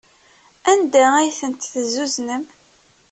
Anda ay ten-tezzuznem?